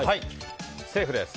セーフです。